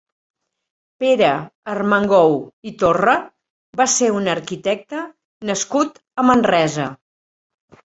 Pere Armengou i Torra va ser un arquitecte nascut a Manresa.